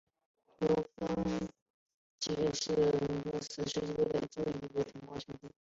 罗根解释德瑞克的死是救了一位同袍兄弟。